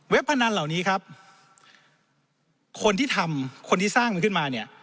เว็บผนันเหล่านี้คนที่ทำคนที่สร้างมันขึ้นมา